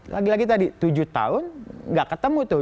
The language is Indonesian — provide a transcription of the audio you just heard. lagi lagi tadi tujuh tahun gak ketemu tuh